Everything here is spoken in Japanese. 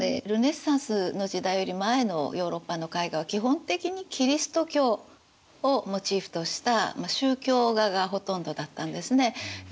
ルネサンスの時代より前のヨーロッパの絵画は基本的にキリスト教をモチーフとした宗教画がほとんどだったんですね。